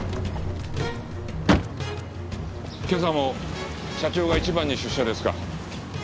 今朝も社長が一番に出社ですか？